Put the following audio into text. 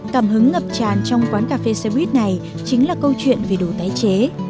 cảm hứng ngập tràn trong quán cà phê xe buýt này chính là câu chuyện về đồ tái chế